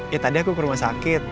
ya tadi aku ke rumah sakit